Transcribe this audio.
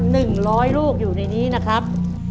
หนึ่งร้อยลูกอยู่ในนี้นะครับ